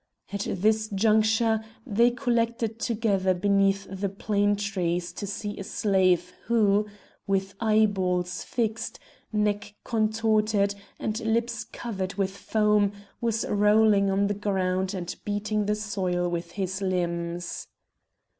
At this juncture they collected together beneath the plane trees to see a slave who, with eyeballs fixed, neck contorted, and lips covered with foam, was rolling on the ground, and beating the soil with his limbs.